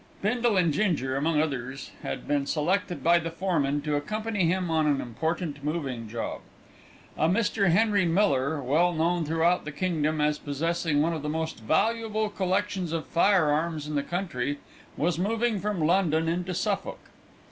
Bindle and Ginger, among others, had been selected by the foreman to accompany him on an important moving job. A Mr. Henry Miller, well known throughout the kingdom as possessing one of the most valuable collections of firearms in the country, was moving from London into Suffolk.